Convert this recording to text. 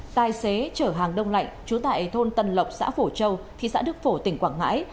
tài xế chở hàng đông lạnh chú tại thôn tân lộc xã phổ châu thị xã đức phổ tỉnh quảng ngãi